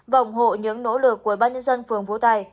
và ủng hộ những nỗ lực của ubnd phường phú tài